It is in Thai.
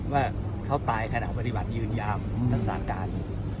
ว่าเขาตายขณะปฏิบัติยืนยามทั้ง๓การ